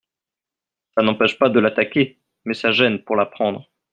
Ça n'empêche pas de l'attaquer, mais ça gêne pour la prendre.